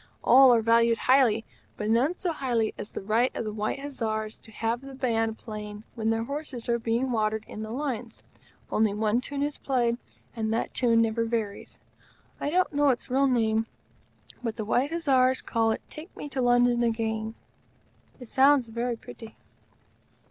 All are valued highly; but none so highly as the right of the White Hussars to have the Band playing when their horses are being watered in the Lines. Only one tune is played, and that tune never varies. I don't know its real name, but the White Hussars call it: "Take me to London again." It sound's very pretty.